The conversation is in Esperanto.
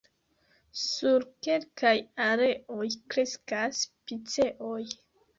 Sur kelkaj areoj kreskas piceoj.